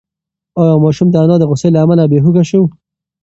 ایا ماشوم د انا د غوسې له امله بېهوښه شو؟